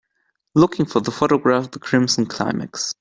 Looking for the photograph the Crimson Climax